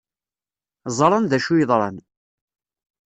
Ẓran d acu yeḍran.